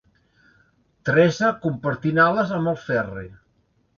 Teresa, compartint ales amb el Ferri.